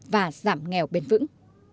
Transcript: và giảm nghèo bền vững